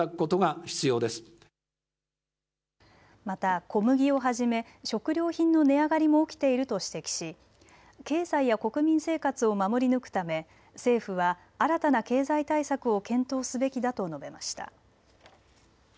また小麦をはじめ食料品の値上がりも起きていると指摘し経済や国民生活を守り抜くため政府は新たな経済対策を検討すべきだと述べました。